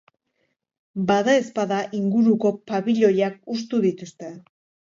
Badaezpada inguruko pabiloiak hustu dituzte.